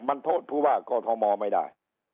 มันโทษผู้ว่ากอทมไม่ได้